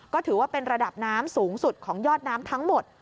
ก็ถือว่าเป็นระดับน้ำสูงสุดของยอดน้ำทั้งหมด